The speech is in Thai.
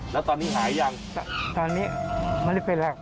แล้วตอนนี้หายยังตอนนี้ไม่ได้เป็นแล้ว